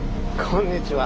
こんにちは。